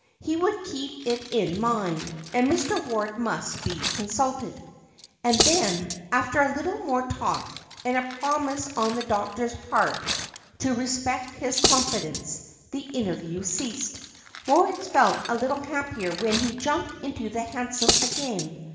He would keep it in mind; and Mr. Ward must be consulted. And then, after a little more talk, and a promise on the doctor's part to respect his confidence, the interview ceased. Moritz felt a little happier when he jumped into the hansom again.